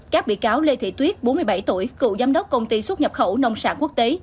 các bị cáo lê thị tuyết bốn mươi bảy tuổi cựu giám đốc công ty xuất nhập khẩu nông sản quốc tế